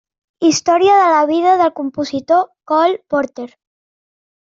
Història de la vida del compositor Cole Porter.